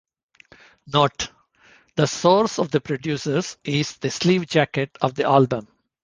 Note: The source of the producers is the sleeve jacket of the album.